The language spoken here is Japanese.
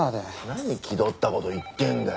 何気取った事言ってんだよ。